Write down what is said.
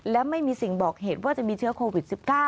และไม่มีสิ่งบอกเหตุว่าจะมีเชื้อโควิด๑๙